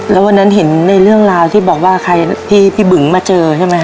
แล้วทุกคนไปแล้วในเรื่องที่บึงมาเจอไหม